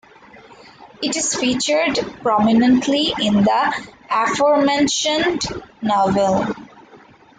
It is featured prominently in the aforementioned novel.